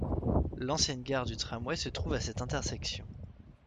L'ancienne gare du tramway se trouve à cette intersection.